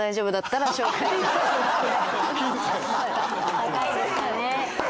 高いですよね。